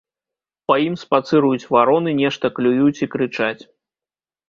Па ім спацыруюць вароны, нешта клююць і крычаць.